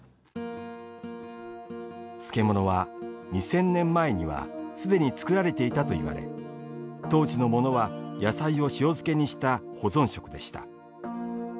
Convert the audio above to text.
漬物は２０００年前にはすでに作られていたと言われ当時のものは野菜を塩漬けにした保存食でした。